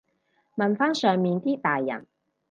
問返上面啲大人